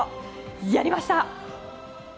やりました！